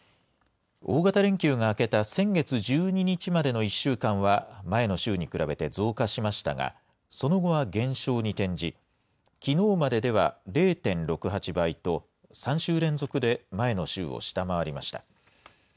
大型連休が明けた先月１２日までの１週間は、前の週に比べて増加しましたが、その後は減少に転じ、きのうまででは０．６８倍と、３週連続で前の週を下回りました。